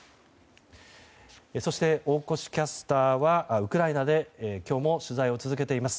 そして、大越キャスターはウクライナで今日も取材を続けています。